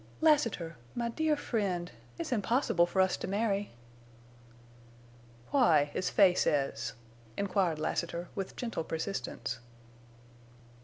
"Lassiter!... My dear friend!... It's impossible for us to marry!" "Why—as Fay says?" inquired Lassiter, with gentle persistence.